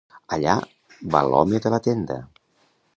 Allà va l'home de la tenda!